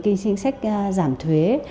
những cái chính sách giảm thuế